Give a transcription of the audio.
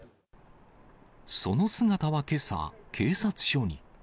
その姿はけさ、警察署に。